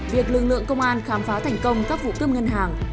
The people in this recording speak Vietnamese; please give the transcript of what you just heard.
việc lực lượng công an khám phá thành công các vụ cướp ngân hàng